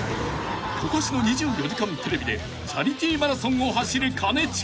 ［今年の『２４時間テレビ』でチャリティーマラソンを走る兼近］